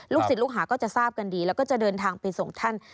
ศิลปลูกหาก็จะทราบกันดีแล้วก็จะเดินทางไปส่งท่าน